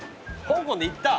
香港で行った？